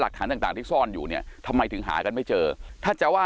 หลักฐานต่างที่ซ่อนอยู่เนี่ยทำไมถึงหากันไม่เจอถ้าจะว่า